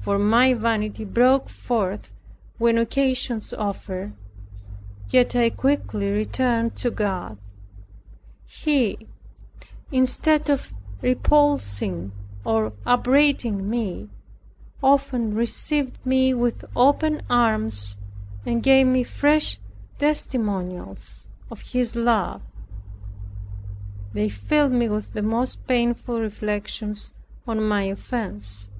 For my vanity broke forth when occasions offered; yet I quickly returned to God. He, instead of repulsing or upbraiding me, often received me with open arms, and gave me fresh testimonials of His love. They filled me with the most painful reflections on my offense.